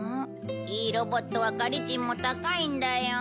いいロボットは借り賃も高いんだよ。